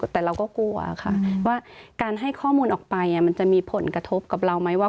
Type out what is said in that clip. แต่เราก็กลัวค่ะว่าการให้ข้อมูลออกไปมันจะมีผลกระทบกับเราไหมว่า